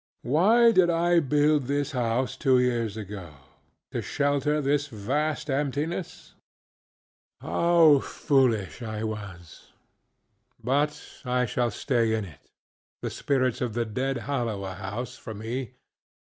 Why did I build this house, two years ago? To shelter this vast emptiness? How foolish I was! But I shall stay in it. The spirits of the dead hallow a house, for me.